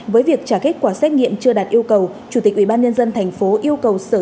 với việc trả kết quả xét nghiệm chưa đạt yêu cầu chủ tịch ubnd tp yêu cầu sở